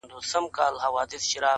پېښه د تماشې بڼه اخلي او درد پټيږي,